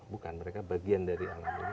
bukan mereka bagian dari alam ini